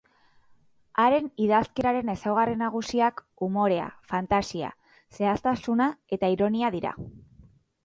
Haren idazkeraren ezaugarri nagusiak umorea, fantasia, zehaztasuna eta ironia dira.